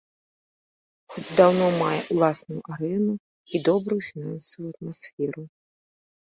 Хоць даўно мае ўласную арэну і добрую фінансавую атмасферу.